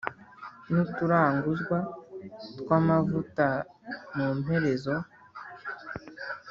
n’uturanguzwa tw’amavuta mu mperezo